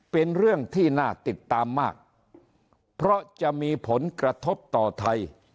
เป็นเรื่องที่น่าติดตามมากเพราะจะมีผลกระทบต่อไทย